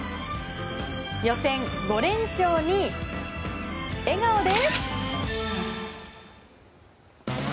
予選５連勝に笑顔で。